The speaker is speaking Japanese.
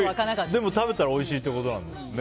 でも食べたらおいしいってことなんですね。